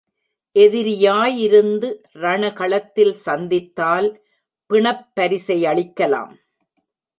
எதிரியாயிருந்து ரண களத்தில் சந்தித்தால், பிணப் பரிசையளிக்கலாம்.